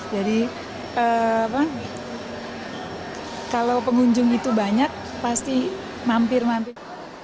jadi kalau pengunjung itu banyak pasti mampir mampir